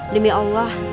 demi allah saya saksinya